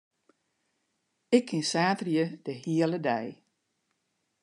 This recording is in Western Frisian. Ik kin saterdei de hiele dei.